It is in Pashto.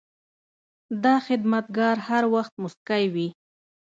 دا خدمتګار هر وخت موسکی وي.